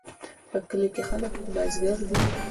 په کلي کې خلک بزګر دي